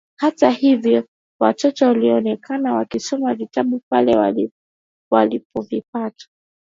Hata hivyo watoto walionekana wakisoma vitabu pale walipovipata.